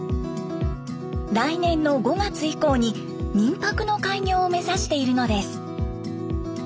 来年の５月以降に民泊の開業を目指しているのです。